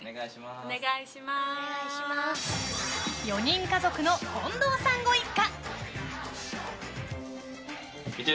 ４人家族の近藤さんご一家。